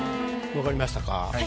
わかりましたか？